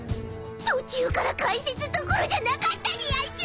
途中から解説どころじゃなかったでやんす！